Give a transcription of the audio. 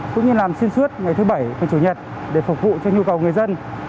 cũng như làm xuyên suốt ngày thứ bảy và chủ nhật để phục vụ cho nhu cầu người dân